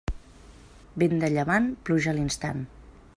Vent de llevant, pluja a l'instant.